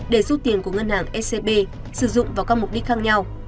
để giúp tiền của ngân hàng scb sử dụng vào các mục đích khác nhau